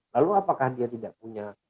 lalu apakah dia tidak punya